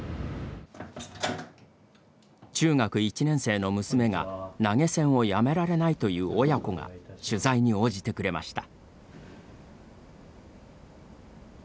中学１年生の娘が、投げ銭をやめられないという親子が取材に応じてくれました。